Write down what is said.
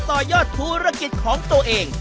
ต่อยอดธุรกิจของตัวเอง